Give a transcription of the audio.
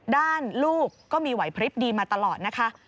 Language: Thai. ด้านลูกก็มีหวัยพลิกดีมาตลอดนะคะ